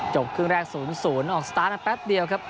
ครึ่งแรก๐๐ออกสตาร์ทกันแป๊บเดียวครับ